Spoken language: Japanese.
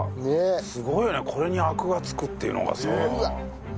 すごいねこれにアクが付くっていうのがさ。